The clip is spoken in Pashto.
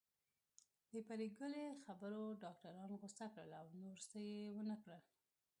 د پري ګلې خبرو ډاکټران غوسه کړل او نور څه يې ونکړل